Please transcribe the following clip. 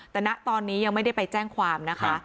แต่ณตอนนี้ยังไม่ได้ไปแจ้งความนะคะ